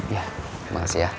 ya makasih ya